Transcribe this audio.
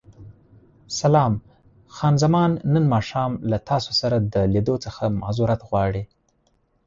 سلام، خان زمان نن ماښام له تاسو سره د لیدو څخه معذورت غواړي.